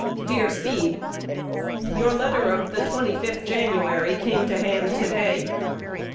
Dear Speed, Your letter of the 25th January came to hand to day.